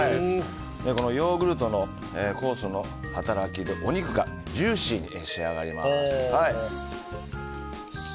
ヨーグルトの酵素の働きでお肉がジューシーに仕上がります。